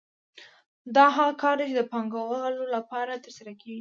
دا هغه کار دی چې د پانګوالو لپاره ترسره کېږي